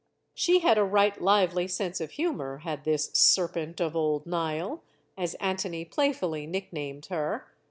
She had a right lively sense of humor, had this "Serpent of Old Nile," as Antony playfully nicknamed her.